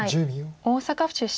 大阪府出身。